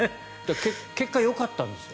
結果、よかったんですよ。